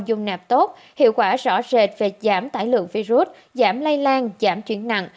dung nạp tốt hiệu quả rõ rệt về giảm tải lượng virus giảm lây lan giảm chuyển nặng